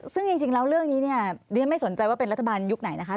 ซึ่งจริงแล้วเรื่องนี้เนี่ยดิฉันไม่สนใจว่าเป็นรัฐบาลยุคไหนนะคะ